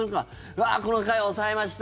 うわあ、この回は抑えました。